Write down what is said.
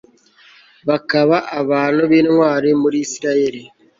bakaba abantu b'intwari muri israheli